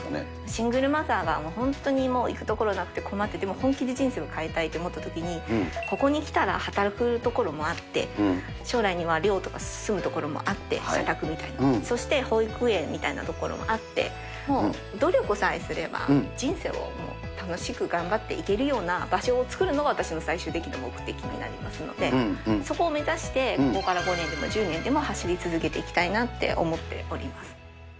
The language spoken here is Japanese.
シングルマザーが本当にもう行くところなくて、困って、でも本気で人生を変えたいと思ったときに、ここに来たら働く所もあって、将来には寮とか住む所もあって、社宅みたいな、そして保育園みたいなところもあって、もう努力さえすれば、人生を楽しく頑張っていけるような場所を作るのが、私の最終的な目的になりますので、そこを目指して、ここから５年でも１０年でも走り続けていきたいなって思っております。